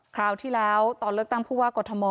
คราวที่แล้วตอนเลือกตั้งผู้ว่ากรทม